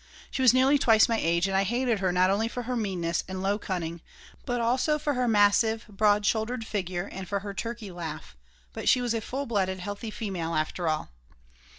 She was nearly twice my age and I hated her not only for her meanness and low cunning, but also for her massive, broad shouldered figure and for her turkey laugh, but she was a full blooded, healthy female, after all.